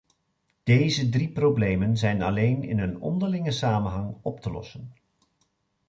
Deze drie problemen zijn alleen in een onderlinge samenhang op te lossen.